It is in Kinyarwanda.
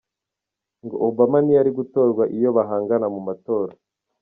Ngo Obama ntiyari gutorwa iyo bahangana mu matora.